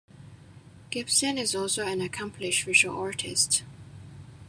Gibson is also an accomplished visual artist.